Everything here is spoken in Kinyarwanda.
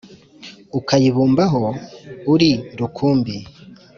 Ukayibumbaho uri rukumbi!"